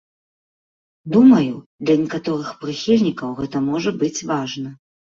Думаю, для некаторых прыхільнікаў гэта можа быць важна.